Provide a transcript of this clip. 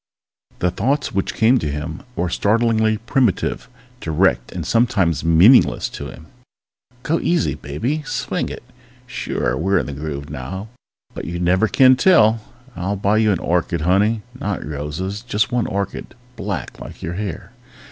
The thoughts which came to him were startlingly primitive, direct and sometimes meaningless to him. _Go easy, baby! Swing it! Sure, we're in the groove now, but you never can tell! I'll buy you an orchid, honey! Not roses, just one orchid black like your hair!